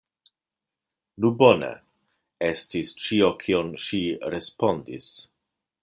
Nu bone! estis ĉio, kion ŝi respondis.